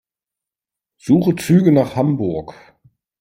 Suche Züge nach Hamburg.